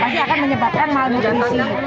pasti akan menyebabkan malnutrisi